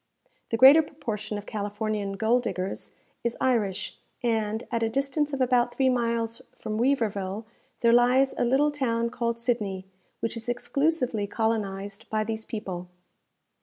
The greater proportion of Californian gold diggers is Irish; and, at a distance of about three miles from Weaverville, there lies a little town called Sidney, which is exclusively colonized by these people.